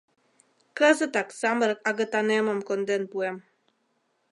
Кызытак самырык агытанемым конден пуэм.